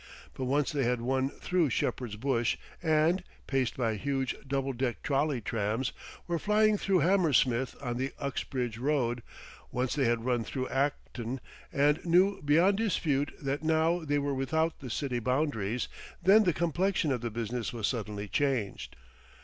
But once they had won through Shepherd's Bush and, paced by huge doubledeck trolley trams, were flying through Hammersmith on the Uxbridge Road; once they had run through Acton, and knew beyond dispute that now they were without the city boundaries, then the complexion of the business was suddenly changed.